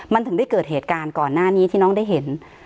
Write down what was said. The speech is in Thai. มันถึงได้เกิดเหตุการณ์ก่อนหน้านี้ที่น้องได้เห็น